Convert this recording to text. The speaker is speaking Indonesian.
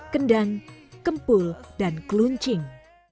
kendang kempul dan kluncing